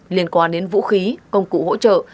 liên quan đến vũ khí công cụ hỗ trợ